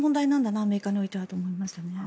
アメリカにおいてはと思いましたね。